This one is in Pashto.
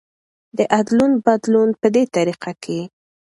د ادلون بدلون په دې طريقه کې